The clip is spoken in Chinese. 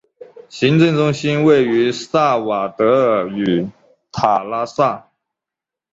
行政中心位于萨瓦德尔与塔拉萨。